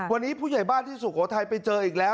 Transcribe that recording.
วันนี้ผู้ใหญ่บ้านที่สุโขทัยไปเจออีกแล้ว